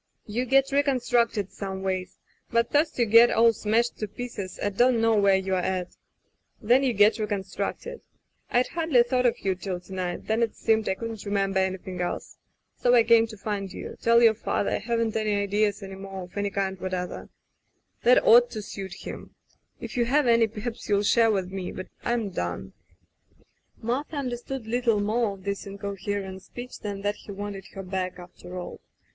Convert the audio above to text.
You get reconstructed someways — ^but first you get all smashed to pieces and don't know where you're at. Then you get reconstructed. I'd hardly thought of you till to night — then it seemed I couldn't remember anything else. So I came to find you. ... Tell your father I haven't any ideas any more of any kind whatever. That [ 213 ] Digitized by LjOOQ IC Interventions ought to suit him. If you have any, perhaps you'll share with me, but Fm done/* Martha understood little more of this in coherent speech than that he wanted her back after all.